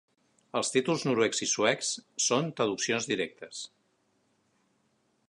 Els títols noruecs i suecs són traduccions directes.